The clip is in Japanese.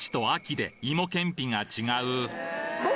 芋けんぴが違う！？